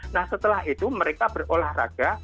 nah setelah itu mereka berolahraga